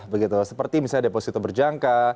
begitu seperti misalnya deposito berjangka